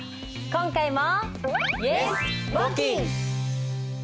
今回も。